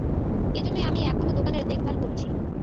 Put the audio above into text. এজন্যই আমি এখনো দোকানের দেখভাল করছি।